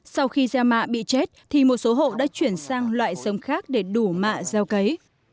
sau khi gieo mạ bị chết thì một số hộ đã chuyển sang loại giống khác để đủ mạ gieo cấy